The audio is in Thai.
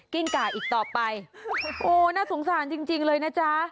ิ้งก่าอีกต่อไปโอ้โหน่าสงสารจริงเลยนะจ๊ะ